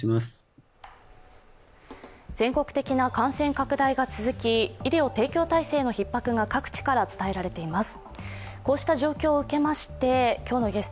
全国的な感染拡大が続き医療提供体制のひっ迫が各地から伝えられています。